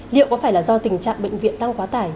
liệu có phải là do tình trạng bệnh viện đang quá tải